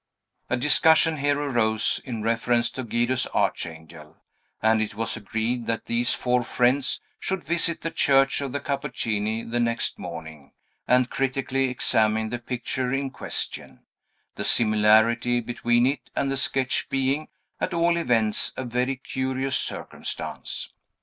A discussion here arose, in reference to Guido's Archangel, and it was agreed that these four friends should visit the Church of the Cappuccini the next morning, and critically examine the picture in question; the similarity between it and the sketch being, at all events, a very curious circumstance.